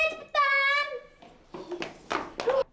ya sih renek cepetan